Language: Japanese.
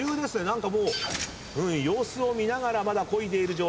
何かもう様子を見ながらまだこいでいる状態。